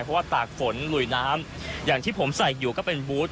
เพราะว่าตากฝนหลุยน้ำอย่างที่ผมใส่อยู่ก็เป็นบูธ